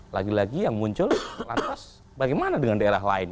lagi lagi yang muncul lantas bagaimana dengan daerah lain